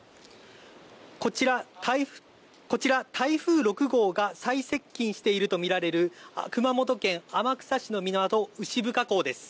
こちら、台風６号が最接近しているとみられる熊本県天草市の港、牛深港です。